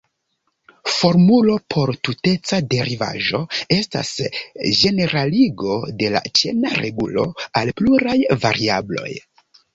Formulo por tuteca derivaĵo estas ĝeneraligo de la ĉena regulo al pluraj variabloj.